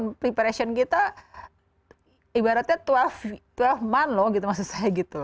nah periode penyiapan kita ibaratnya dua belas bulan loh maksud saya gitu